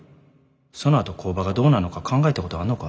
そのあと工場がどうなんのか考えたことあんのか？